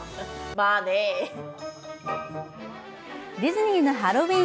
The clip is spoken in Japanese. ディズニーのハロウィーン